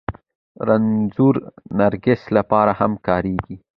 د رنځور نرګس لپاره هم کارېږي